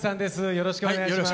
よろしくお願いします。